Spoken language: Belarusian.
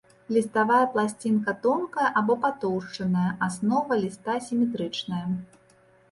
Ліставая пласцінка тонкая або патоўшчаная, аснова ліста сіметрычная.